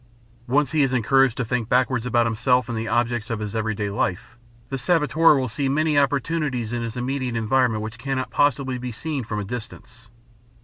Once he is encouraged to think backwards about himself and the objects of his everyday life, the saboteur will see many opportunities in his immediate environment which cannot possibly be seen from a distance.